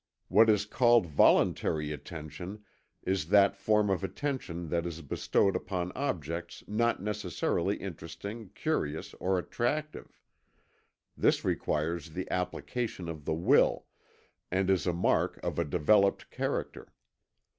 What is called voluntary attention is that form of attention that is bestowed upon objects not necessarily interesting, curious, or attractive this requires the application of the will, and is a mark of a developed character.